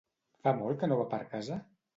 Fa molt que no va per casa?